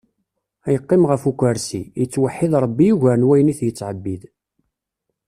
Yeqqim ɣef ukarsi, yettweḥid ṛebbi ugar n wayen it-yettɛebbid.